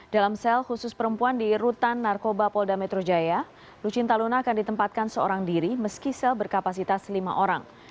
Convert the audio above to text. dalam sel khusus perempuan di rutan narkoba polda metro jaya lucinta luna akan ditempatkan seorang diri meski sel berkapasitas lima orang